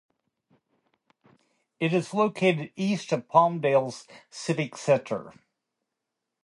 It is located east of Palmdale's Civic Center.